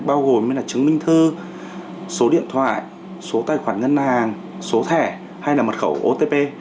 bao gồm chứng minh thư số điện thoại số tài khoản ngân hàng số thẻ hay là mật khẩu otp